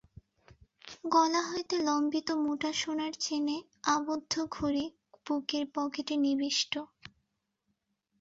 গলা হইতে লম্বিত মোটা সোনার চেনে আবদ্ধ ঘড়ি বুকের পকেটে নিবিষ্ট।